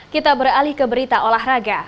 kita beralih ke berita olahraga